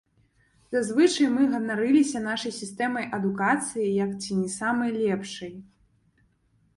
Зазвычай мы ганарыліся нашай сістэмай адукацыі як ці не самай лепшай.